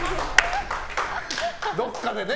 どっかでね。